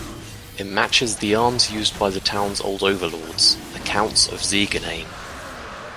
It matches the arms used by the town's old overlords, the Counts of Ziegenhain.